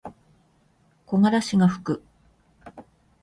木枯らしがふく。